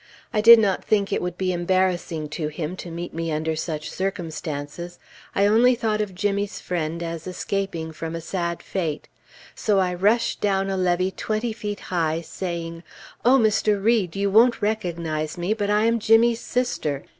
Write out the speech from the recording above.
I did not think it would be embarrassing to him to meet me under such circumstances; I only thought of Jimmy's friend as escaping from a sad fate; so I rushed down a levee twenty feet high, saying, "O Mr. Read! You won't recognize me, but I am Jimmy's sister!"